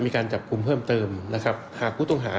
ก็มีการออกรูปรวมปัญญาหลักฐานออกมาจับได้ทั้งหมด